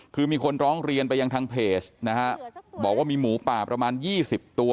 คือมีคนร้องเรียนไปยังทางเพจนะฮะบอกว่ามีหมูป่าประมาณยี่สิบตัว